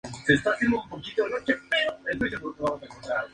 Existen irregularidades en la cronología histórica de la creación del territorio.